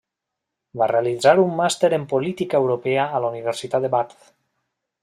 Va realitzar un màster en política europea a la Universitat de Bath.